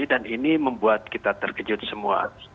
dan ini membuat kita terkejut semua